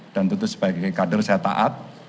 dan tentu sebagai kader saya taat